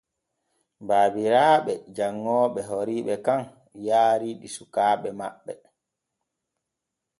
Baabiraaɓe janŋooɓe horiiɓe kan yaari ɗi sukaaɓe maɓɓe.